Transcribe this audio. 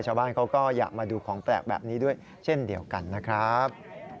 ชาวบ้านเขาก็อยากมาดูของแปลกแบบนี้ด้วยเช่นเดียวกันนะครับ